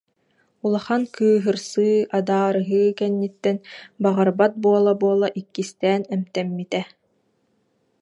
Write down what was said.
Улахан кыыһырсыы, адаарыһыы кэнниттэн баҕарбат буола-буола иккистээн эмтэммитэ